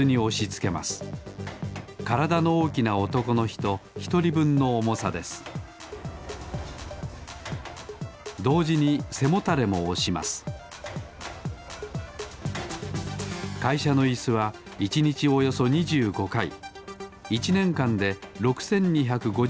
からだのおおきなおとこのひとひとりぶんのおもさですどうじにせもたれもおしますかいしゃのイスは１にちおよそ２５かい１ねんかんで６，２５０かい